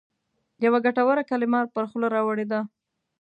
یوه ګټوره کلمه پر خوله راوړې ده.